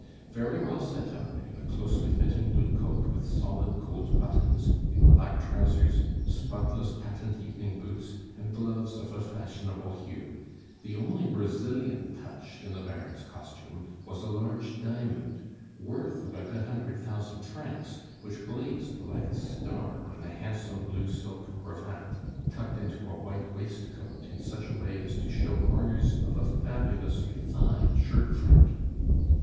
Very well set up, in a closely fitting blue coat with solid gold buttons, in black trousers, spotless patent evening boots, and gloves of a fashionable hue, the only Brazilian touch in the Baron's costume was a large diamond, worth about a hundred thousand francs, which blazed like a star on a handsome blue silk cravat, tucked into a white waistcoat in such a way as to show corners of a fabulously fine shirt front.